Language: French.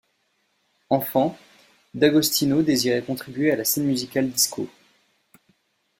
Enfant, D'Agostino désirait contribuer à la scène musicale disco.